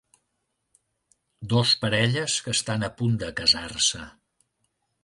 Dos parelles que estan a punt de casar-se